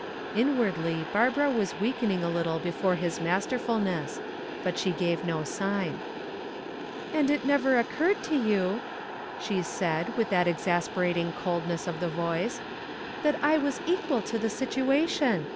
Inwardly Barbara was weakening a little before his masterfulness. But she gave no sign. "And it never occurred to you," she said, with that exasperating coldness of the voice, "that I was equal to the situation.